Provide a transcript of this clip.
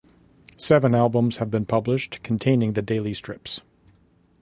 Seven albums have been published containing the daily strips.